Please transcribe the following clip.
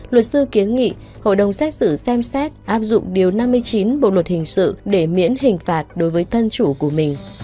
luật sư kiến nghị hội đồng xét xử xem xét áp dụng điều năm mươi chín bộ luật hình sự để miễn hình phạt đối với thân chủ của mình